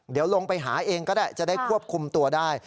เดี๋ยวลงไปหาเองก็ได้จะได้ควบคุมตัวได้